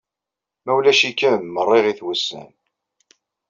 Ma ulac-ikem meṛṛeɣit wussan!